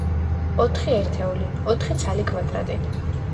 ოთხი ერთეული; ოთხი ცალი კვადრატი.